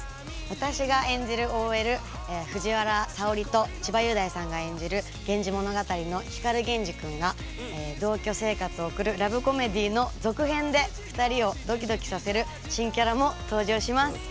私が演じるＯＬ藤原沙織と千葉雄大さんが演じる「源氏物語」の光源氏くんが同居生活を送るラブコメディーの続編で２人をドキドキさせる新キャラも登場します。